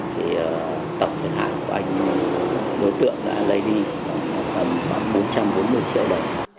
thì tổng thiệt hại của anh đối tượng đã lấy đi khoảng bốn trăm bốn mươi triệu đồng